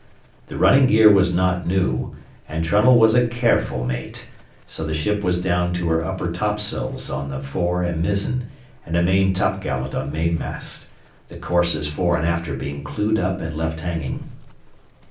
The running gear was not new, and Trunnell was a careful mate, so the ship was down to her upper topsails on the fore and mizzen and a main t'gallant on mainmast, the courses fore and after being clewed up and left hanging.